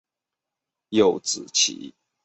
有脂鳍。